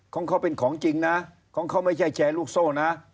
ของเขาเป็นของจริงนะของเขาไม่ใช่แชร์ลูกโซ่นะ